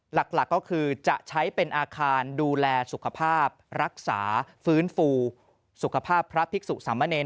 หลักก็คือจะใช้เป็นอาคารดูแลสุขภาพรักษาฟื้นฟูสุขภาพพระภิกษุสามเนร